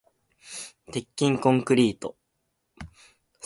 鉄筋コンクリート